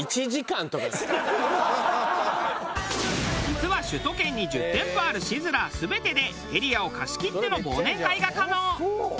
実は首都圏に１０店舗あるシズラー全てでエリアを貸し切っての忘年会が可能。